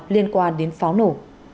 liên quan đến pháo nổ